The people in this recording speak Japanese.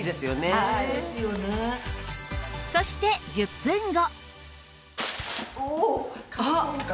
そして１０分後